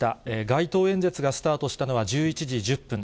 街頭演説がスタートしたのは１１時１０分。